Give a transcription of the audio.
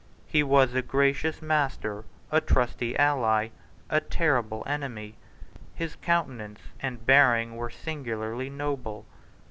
He was a gracious master, a trusty ally, a terrible enemy. His countenance and bearing were singularly noble.